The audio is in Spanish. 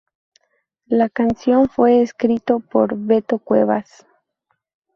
La canción fue escrito por Beto Cuevas.